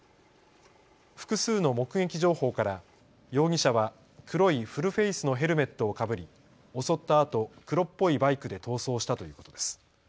複数の目撃情報から容疑者は黒いフルフェースのヘルメットをかぶり襲ったあと黒っぽいバイクで逃走したということです。